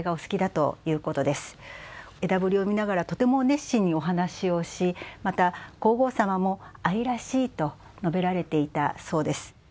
枝ぶりを見ながらとても熱心にお話をしまた皇后さまも「愛らしい」と述べられていたそうです。